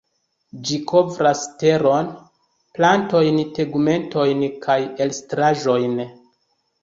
Ĝi kovras teron, plantojn, tegmentojn kaj elstaraĵojn.